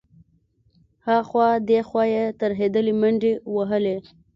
ها خوا دې خوا يې ترهېدلې منډې وهلې.